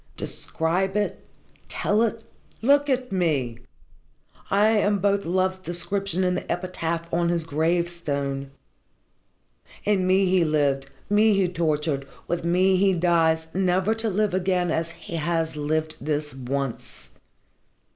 Describe it? Tell it? Look at me! I am both love's description and the epitaph on his gravestone. In me he lived, me he tortured, with me he dies never to live again as he has lived this once.